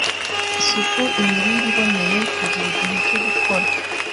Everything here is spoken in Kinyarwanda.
isuku, imirire iboneye, kugira igihe cyo gukora